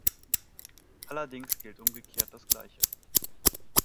Allerdings gilt umgekehrt das Gleiche.